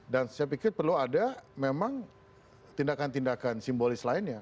saya pikir perlu ada memang tindakan tindakan simbolis lainnya